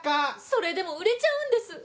それでも売れちゃうんです。